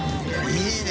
いいね。